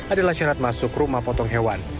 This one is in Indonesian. adalah syarat masuk rumah potong hewan